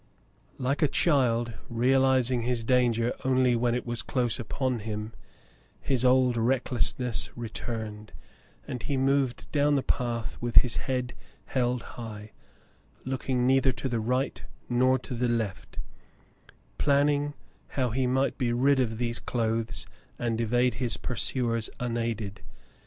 Like a child, realizing his danger only when it was close upon him, his old recklessness returned, and he moved down the path with his head held high, looking neither to the right nor to the left, planning how he might be rid of these clothes and evade his pursuers unaided.